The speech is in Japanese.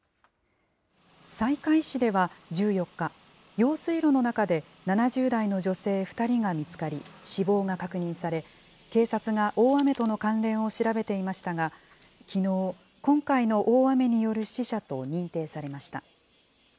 西海市では１４日、用水路の中で７０代の女性２人が見つかり、死亡が確認され、警察が大雨との関連を調べていましたが、きのう、今回の大雨による死者と認定されました。